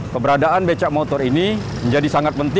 kepada kota palembang becak motor dikumpulkan sebagai alat transportasi